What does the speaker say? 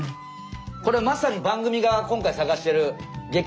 これまさに番組が今回探してる激